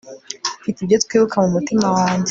mfite ibyo twibuka mu mutima wanjye